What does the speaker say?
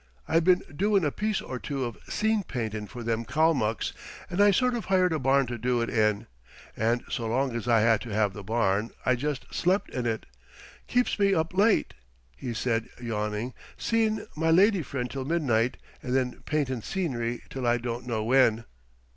I been doin' a piece or two of scene paintin' for them Kalmucks, and I sort of hired a barn to do it in, and so long as I had to have the barn I just slept in it. Keeps me up late," he said, yawning, "seein' my lady friend till midnight and then paintin' scenery till I don't know when."